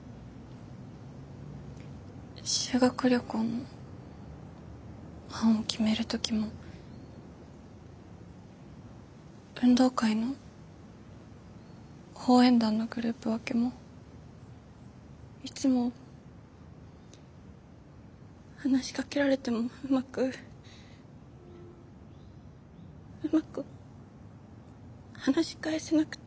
修学旅行の班を決める時も運動会の応援団のグループ分けもいつも話しかけられてもうまくうまく話し返せなくて。